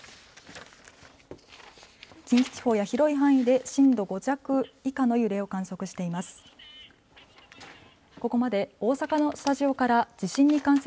近畿地方や広い範囲で震度５弱以下の揺れを観測しています。